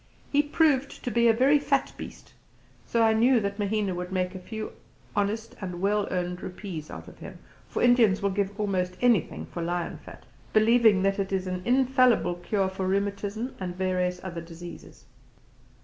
He proved to be a very fat beast, so I knew that Mahina would make a few honest and well earned rupees out of him, for Indians will give almost anything for lion fat, believing that it is an infallible cure for rheumatism and various other diseases.